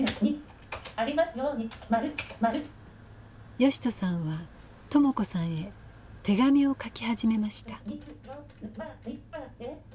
義人さんは朋子さんへ手紙を書き始めました。